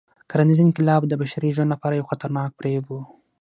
کرنيز انقلاب د بشري ژوند لپاره یو خطرناک فریب و.